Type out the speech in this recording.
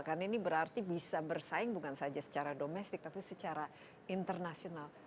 karena ini berarti bisa bersaing bukan saja secara domestik tapi secara internasional